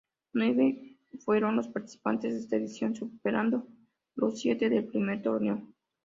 Nueve fueron los participantes de esta edición, superando los siete del primer torneo.